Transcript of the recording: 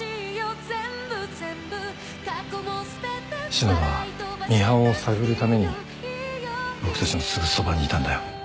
篠田はミハンを探るために僕たちのすぐそばにいたんだよ。